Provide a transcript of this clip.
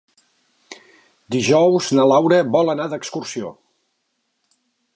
Dijous na Laura vol anar d'excursió.